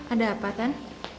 ada apa tan